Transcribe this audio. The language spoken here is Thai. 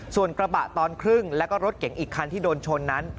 ส่วนกระบะตอนครึ่งแล้วก็รถเก๋งอีกคันที่โดนชนนั้น